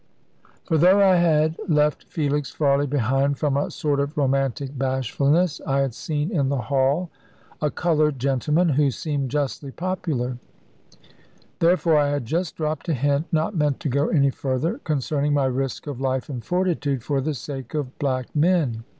For though I had left Felix Farley behind, from a sort of romantic bashfulness, I had seen in the hall a coloured gentleman, who seemed justly popular; therefore I had just dropped a hint (not meant to go any further) concerning my risk of life and fortitude for the sake of black men.